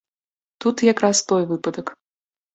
Тут якраз той выпадак.